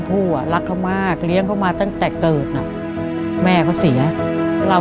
ชมพู่น่าก็คาวหลายสินทรีย์ก็รักเขาแจ้งมาตั้งแต่เกิดครับ